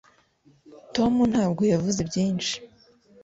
tom ntabwo yavuze byinshi